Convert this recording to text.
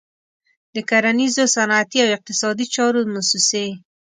د کرنیزو، صنعتي او اقتصادي چارو موسسې.